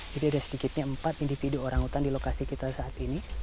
jadi ada sedikitnya empat individu orangutan di lokasi kita saat ini